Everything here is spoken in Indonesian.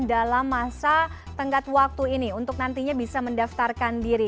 dalam masa tenggat waktu ini untuk nantinya bisa mendaftarkan diri